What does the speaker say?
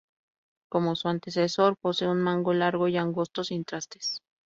Como su antecesor, posee un mango largo y angosto, sin trastes.